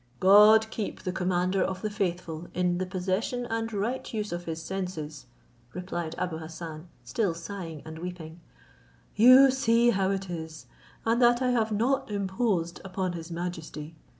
"God keep the commander of the faithful in the possession and right use of his senses," replied Abou Hassan, still sighing and weeping; "you see how it is, and that I have not imposed upon his majesty.